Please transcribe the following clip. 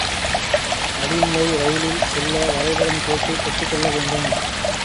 அடிநிலை ரயிலில் செல்ல வரைபடம் கேட்டுப் பெற்றுக்கொள்ள வேண்டும்.